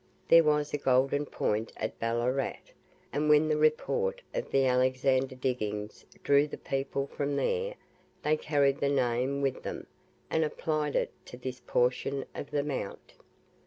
There was a Golden Point at Ballarat, and when the report of the Alexander diggings drew the people from there, they carried the name with them, and applied it to this portion of the mount.